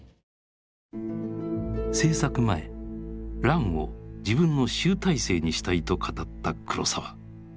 製作前「乱」を自分の集大成にしたいと語った黒澤。